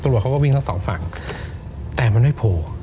เขาก็วิ่งทั้งสองฝั่งแต่มันไม่โผล่